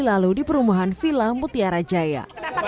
lalu di perumahan villa mutiara jaya